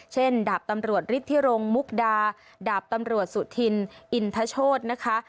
ดาบตำรวจฤทธิรงมุกดาดาบตำรวจสุธินอินทโชธนะคะ